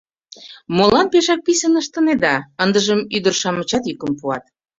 Молан пешак писын ыштынеда? — ындыжым ӱдыр-шамычат йӱкым пуат.